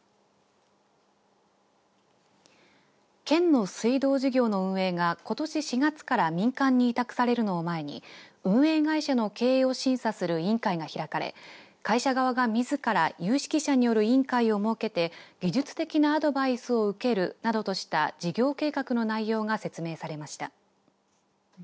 県の水道事業の運営がことし４月から民間に委託されるのを前に運営会社の経営を審査する委員会が開かれ会社側が、みずから有識者による委員会を設けて技術的なアドバイスを受けるなどとした事業計画の内容が説明されました。